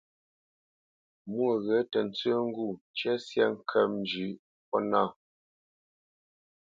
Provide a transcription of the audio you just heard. Mwô ghyə̂ tə tsə́ ŋgû ncə́ syâ ŋkə́p njʉ̌ʼ ŋkwút nâ.